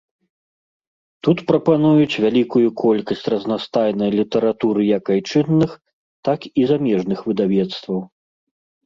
Тут прапануюць вялікую колькасць разнастайнай літаратуры як айчынных, так і замежных выдавецтваў.